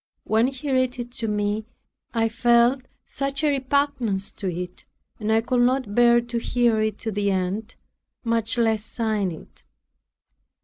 When he read it to me, I felt such a repugnance to it, that I could not bear to hear it to the end, much less sign it.